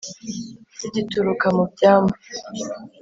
Zigituruka mu byambu;